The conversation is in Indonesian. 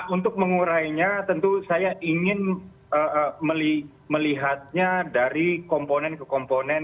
untuk mengurainya tentu saya ingin melihatnya dari komponen ke komponen